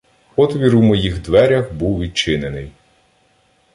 Отвір у моїх дверях був відчинений.